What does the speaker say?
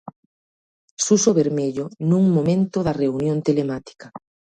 Suso Bermello nun momento da reunión telemática.